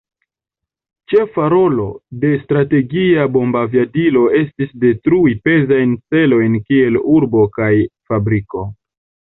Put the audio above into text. Ĉefa rolo de Strategia bombaviadilo estis detrui pezajn celojn kiel urbo kaj fabriko.